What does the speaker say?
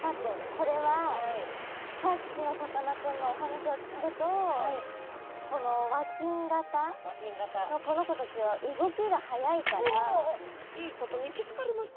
これはさっきのさかなクンのお話を聞くとこの和金型のこの子たちはおいいことに気付かれました。